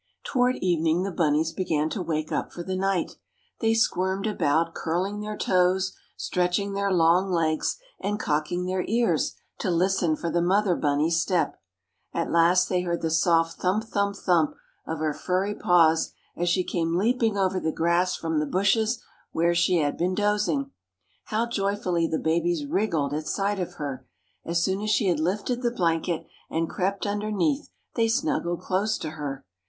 Toward evening the bunnies began to wake up for the night. They squirmed about, curling their toes, stretching their long legs, and cocking their ears to listen for the mother bunny's step. At last they heard the soft thump thump thump of her furry paws as she came leaping over the grass from the bushes where she had been dozing. How joyfully the babies wriggled at sight of her! As soon as she had lifted the blanket and crept underneath they snuggled close to her.